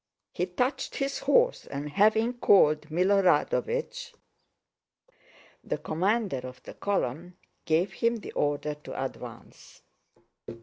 He touched his horse and having called Milorádovich, the commander of the column, gave him the order to advance.